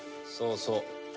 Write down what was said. そうそう。